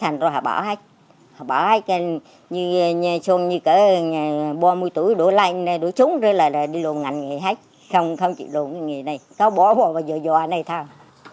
như xong như cái ba mươi tuổi đổ lạnh đổ trúng rồi là đi lộ ngành nghề hết không chịu đổ nghề này có bỏ bỏ và dò dò này thôi